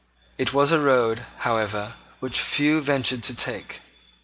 It was a road, however, which few ventured to take.